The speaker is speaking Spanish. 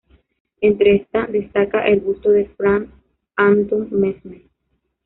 Entre estas destaca el busto de Franz Anton Mesmer.